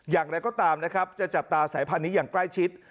อย่างไรก็ตามนะครับจะจับตาสายพันธุ์นี้อย่างใกล้ชิด